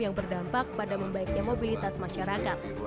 yang berdampak pada membaiknya mobilitas masyarakat